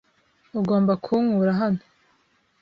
Ugomba kunkura hano.